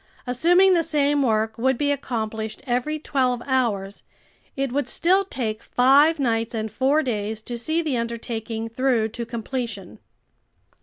Assuming the same work would be accomplished every twelve hours, it would still take five nights and four days to see the undertaking through to completion.